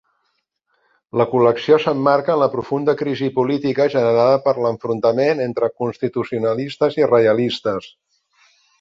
La col·lecció s'emmarca en la profunda crisi política generada per l'enfrontament entre constitucionalistes i reialistes.